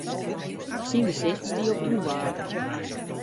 Syn gesicht stie op ûnwaar.